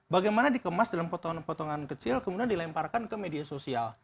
bagaimana dikemas dalam potongan potongan kecil kemudian dilemparkan ke media sosial